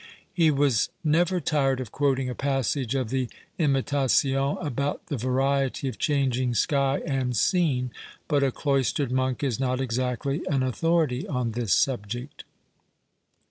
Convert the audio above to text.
He was never tired of quoting a passage of the " Imitation '" about the variety of changing sky and scene. But a cloistered monk is not exactly an authority on this subject.